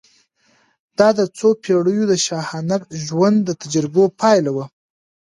دا د څو پېړیو د شاهانه ژوند د تجربو پایله وه.